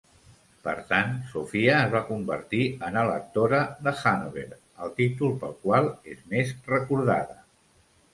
Per tant, Sophia es va convertir en electora de Hannover, el títol pel qual és més recordada.